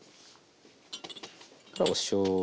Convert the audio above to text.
おしょうゆ。